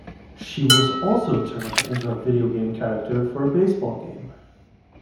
She was also turned into a video game character for a baseball game.